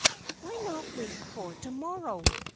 "Why not wait for to morrow?"